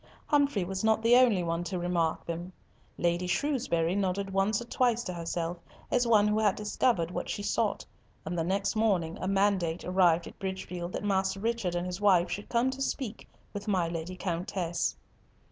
Humfrey was not the only one to remark them. Lady Shrewsbury nodded once or twice to herself as one who had discovered what she sought, and the next morning a mandate arrived at Bridgefield that Master Richard and his wife should come to speak with my Lady Countess.